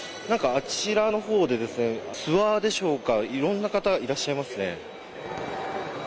あちらの方でツアーでしょうかいろいろな方がいらっしゃいますね。